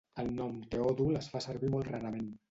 El nom Teòdul es fa servir molt rarament.